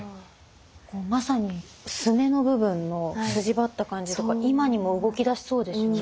まさにすねの部分の筋張った感じとか今にも動きだしそうですよね。